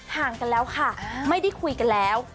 ห่างกันแล้วค่ะไม่ได้คุยกันแล้ว